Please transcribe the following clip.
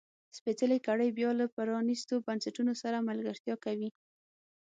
سپېڅلې کړۍ بیا له پرانیستو بنسټونو سره ملګرتیا کوي.